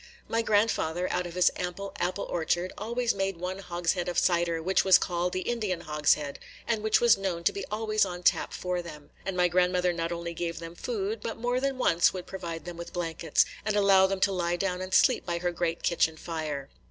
My grandfather, out of his ample apple orchard, always made one hogshead of cider which was called the Indian hogshead, and which was known to be always on tap for them; and my grandmother not only gave them food, but more than once would provide them with blankets, and allow them to lie down and sleep by her great kitchen fire.